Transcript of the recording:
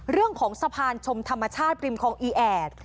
เรื่องของสะพานชมธรรมชาติริมคลองอีแอด